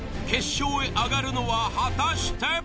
決勝へ上がるのは果たして？